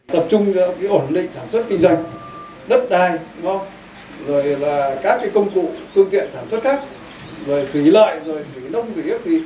đất đài các công cụ tương tiện sản xuất khác phí lợi phí nông phí ức